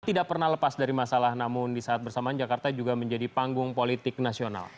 tidak pernah lepas dari masalah namun di saat bersamaan jakarta juga menjadi panggung politik nasional